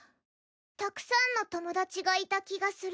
たくさんの友達がいた気がする。